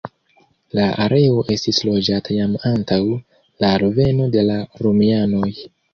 La areo estis loĝata jam antaŭ la alveno de la romianoj.